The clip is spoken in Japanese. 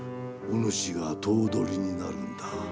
お主が頭取になるんだ。